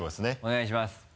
お願いします。